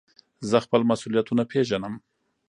زه خپل مسئولیتونه پېژنم.